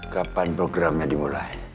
kapan programnya dimulai